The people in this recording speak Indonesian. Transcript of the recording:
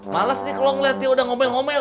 malas nih kalau ngelihat dia udah ngomel ngomel